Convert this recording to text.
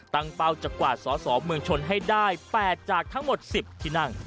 เป้าจะกวาดสอสอเมืองชนให้ได้๘จากทั้งหมด๑๐ที่นั่ง